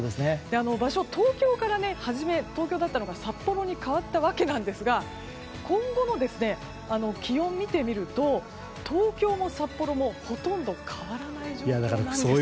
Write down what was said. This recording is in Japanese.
場所が東京だったのが札幌に変わったわけなんですが今後の気温を見てみると東京も札幌もほとんど変わらない状況なんです。